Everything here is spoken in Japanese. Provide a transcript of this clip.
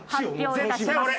絶対俺！